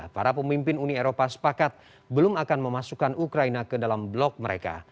para pemimpin uni eropa sepakat belum akan memasukkan ukraina ke dalam blok mereka